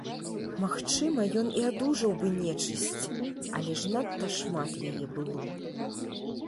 Магчыма, ён і адужаў бы нечысць, але ж надта шмат яе было.